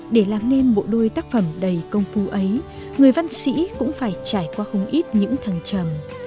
để làm nên bộ đôi tác phẩm đầy công phu ấy người văn sĩ cũng phải trải qua không ít những thăng trầm